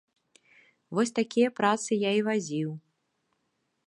Вось такія працы я і вазіў.